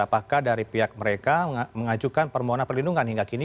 apakah dari pihak mereka mengajukan permohonan perlindungan hingga kini